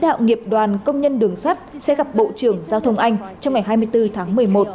lãnh đạo nghiệp đoàn công nhân đường sắt sẽ gặp bộ trưởng giao thông anh trong ngày hai mươi bốn tháng một mươi một